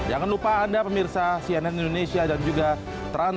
jangan lupa anda pemirsa cnn indonesia dan juga transja